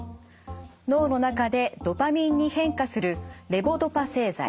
脳の中でドパミンに変化するレボドパ製剤。